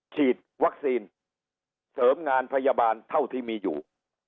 ฉีดวัคซีนเสริมงานพยาบาลเท่าที่มีอยู่